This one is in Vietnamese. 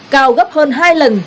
cao gấp hơn hai lần